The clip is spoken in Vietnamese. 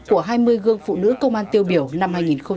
của hai mươi gương phụ nữ công an tiêu biểu năm hai nghìn hai mươi ba